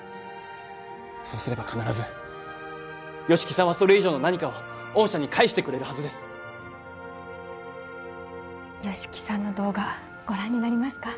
そうすれば必ず吉木さんはそれ以上の何かを御社に返してくれるはずです吉木さんの動画ご覧になりますか？